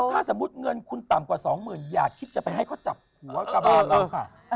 ถ้าสมมุติเงินคุณต่ำกว่าสองหมื่นอย่าคิดจะไปให้เขาจับหัวกระบานเราค่ะ